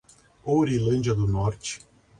Ourilândia do Norte